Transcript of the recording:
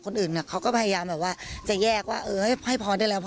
คนอื่นเขาก็พยายามแบบว่าจะแยกว่าเออให้พรได้แล้วว